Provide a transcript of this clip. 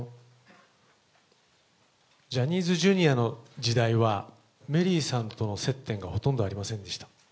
ジャニーズＪｒ．の時代は、メリーさんとの接点がほとんどありませんでした。